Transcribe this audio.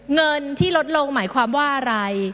เงินที่ลดลงหมายความว่าอะไร